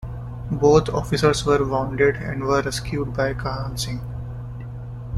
Both officers were wounded, and were rescued by Kahan Singh.